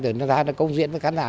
rồi nó ra công diễn với khán giả